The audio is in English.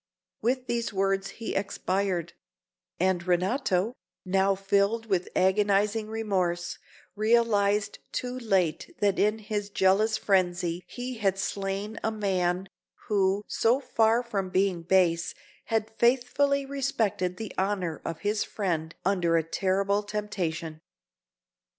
With these words he expired; and Renato, now filled with agonising remorse, realised too late that in his jealous frenzy he had slain a man, who, so far from being base, had faithfully respected the honour of his friend under a terrible temptation.